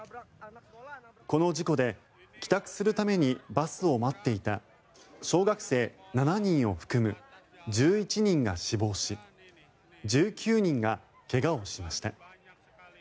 この事故で帰宅するためにバスを待っていた小学生７人を含む１１人が死亡し１９人が怪我をしました。